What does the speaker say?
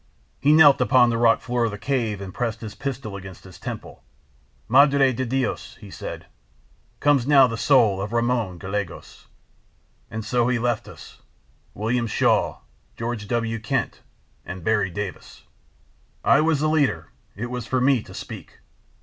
"He knelt upon the rock floor of the cave and pressed his pistol against his temple. 'Madre de Dios,' he said, 'comes now the soul of Ramon Gallegos.' "And so he left us—William Shaw, George W. Kent and Berry Davis. "I was the leader: it was for me to speak.